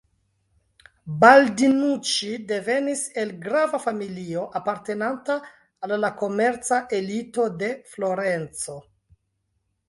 Baldinuĉi devenis el grava familio apartenanta al la komerca elito de Florenco.